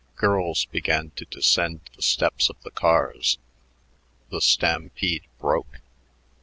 Girls began to descend the steps of the cars. The stampede broke.